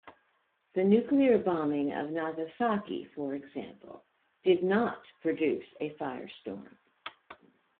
The nuclear bombing of Nagasaki for example, did not produce a firestorm.